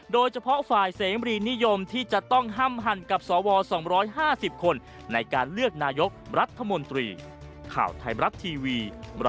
โดยเฉพาะฝ่ายเสมรีนิยมที่จะต้องห้ามหั่นกับสว๒๕๐คนในการเลือกนายกรัฐมนตรี